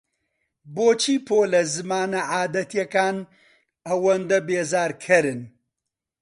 بۆچی پۆلە زمانە عادەتییەکان ئەوەندە بێزارکەرن؟